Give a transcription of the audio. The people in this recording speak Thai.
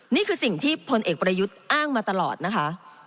นี่คือสิ่งที่พลเอกประยุทธ์อ้างมาตลอดนะคะ